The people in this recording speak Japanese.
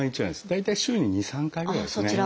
大体週に２３回ぐらいですね。